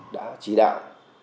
đã chỉ đạo